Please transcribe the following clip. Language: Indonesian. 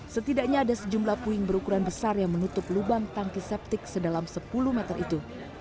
setidaknya ada sejumlah puing berukuran besar yang menutup lubang tangki septik sedalam sepuluh meter itu